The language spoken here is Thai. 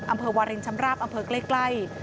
อำเภอวาเรนชำราบอำเภอใกล้